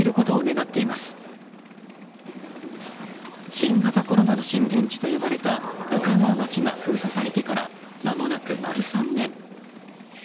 新型コロナの震源地と呼ばれた武漢の街が封鎖されてからまもなく丸３年。